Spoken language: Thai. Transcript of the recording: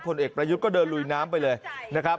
เอกประยุทธ์ก็เดินลุยน้ำไปเลยนะครับ